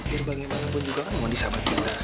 dia bagaimanapun juga kan mwendi sahabat kita